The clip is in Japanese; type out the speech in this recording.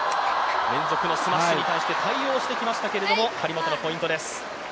連続のスマッシュに対応しましたが、張本のポイントです。